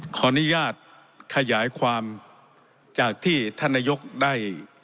ขออนุญาตขยายความจากที่ท่านนายกได้